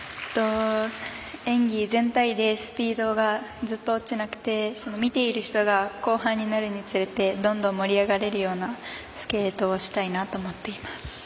演技全体でスピードがずっと落ちなくて見ている人が後半になるにつれてどんどん盛り上がれるようなスケートをしたいなと思っています。